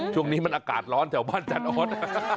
ช่วงนี้มันอากาศร้อนแถวบ้านจันทร์ออส